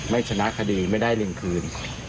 ไม่จะชนะคดีไม่ได้เลียงคืน